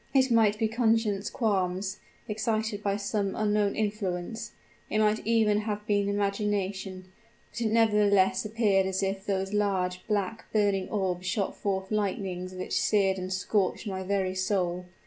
It might be conscience qualms, excited by some unknown influence it might even have been imagination; but it nevertheless appeared as if those large, black, burning orbs shot forth lightnings which seared and scorched my very soul!